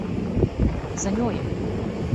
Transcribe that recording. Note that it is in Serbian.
За њу је!